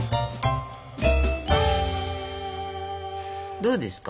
どうですか？